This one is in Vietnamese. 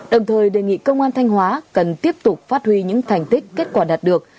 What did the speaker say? đồng thời đề nghị công an thanh hóa cần tiếp tục phát huy những thành tích kết quả đạt được